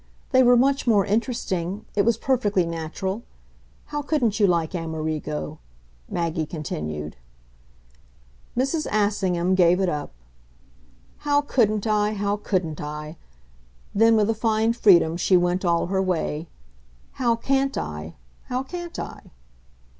They were much more interesting it was perfectly natural. How couldn't you like Amerigo?" Maggie continued. Mrs. Assingham gave it up. "How couldn't I, how couldn't I?" Then, with a fine freedom, she went all her way. "How CAN'T I, how can't I?"